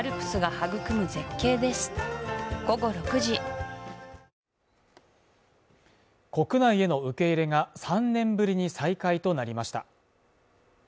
ＮＯ．１国内への受け入れが３年ぶりに再開となりました。